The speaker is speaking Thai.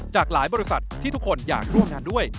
จากหลายบริษัทที่ทุกคนอยากร่วมงานด้วย